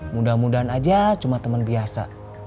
mudah mudahan aja cuma teman biasa